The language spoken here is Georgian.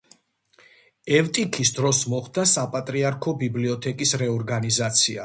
ევტიქის დროს მოხდა საპატრიარქო ბიბლიოთეკის რეორგანიზაცია.